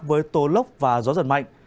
với tố lốc và gió giật mạnh